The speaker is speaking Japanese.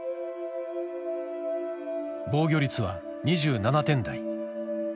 防御率は２７点台。